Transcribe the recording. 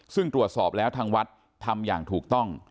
ซึ่งตรวจสอบแล้วทางวัดทำอย่างถูกต้อง